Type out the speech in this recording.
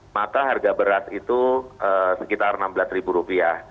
maka harga beras itu sekitar rp enam belas